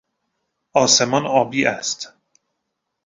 آسمان آبی است.